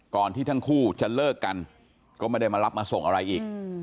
ที่ทั้งคู่จะเลิกกันก็ไม่ได้มารับมาส่งอะไรอีก